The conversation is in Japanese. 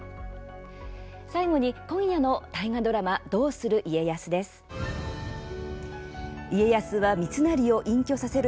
最後に、今夜の大河ドラマ「どうする家康」です。